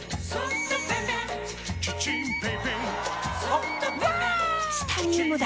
チタニウムだ！